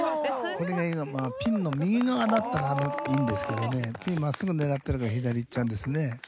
これが今ピンの右側だったらいいんですけどねピンまっすぐ狙ってるから左行っちゃうんですね。